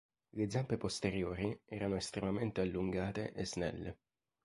Le zampe posteriori erano estremamente allungate e snelle.